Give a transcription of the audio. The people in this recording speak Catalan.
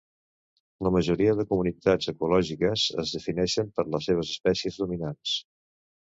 La majoria de comunitats ecològiques es defineixen per les seves espècies dominants.